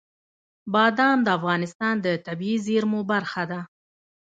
بادام د افغانستان د طبیعي زیرمو برخه ده.